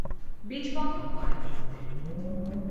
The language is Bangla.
বীজ বপন করেন অতীতে।